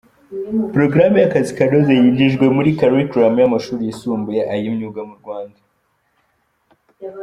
Porogaramu y’Akazi kanoze zinjijwe muri curriculum y’amashuri yisumbuye ay’imyuga mu Rwanda.